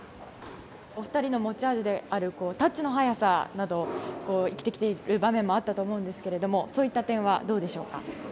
お二人の持ち味であるタッチの早さなどが生きている場面もあったと思いますがそういった点はどうですか。